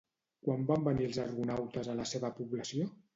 Quan van venir els argonautes a la seva població?